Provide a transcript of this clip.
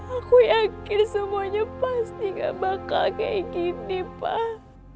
aku yakin semuanya pasti gak bakal kayak gini pak